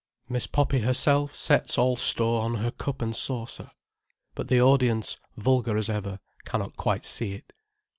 Miss Poppy herself sets all store on her cup and saucer. But the audience, vulgar as ever, cannot quite see it.